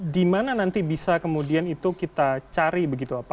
di mana nanti bisa kemudian itu kita cari begitu